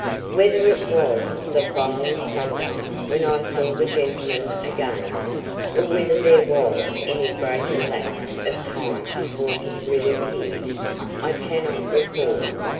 Whether it was the following Sunday when I saw the gentleman again, or whether there was any greater lapse of time before he reappeared, I cannot recall.